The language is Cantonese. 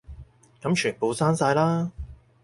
噉全部刪晒啦